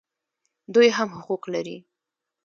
دوی هم حقوق لري